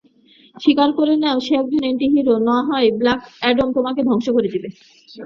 স্বীকার করে নাও সে একজন এন্টিহিরো নাহয় ব্ল্যাক অ্যাডাম তোমাকে ধ্বংস করে দিবে।